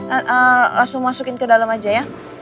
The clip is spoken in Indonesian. langsung masukin ke dalam aja ya